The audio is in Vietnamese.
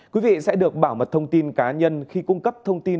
quý vị sẽ được bảo mật thông tin cá nhân khi cung cấp thông tin